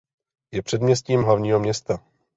Je předměstím hlavního města.